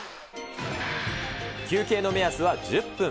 休憩の目安は１０分。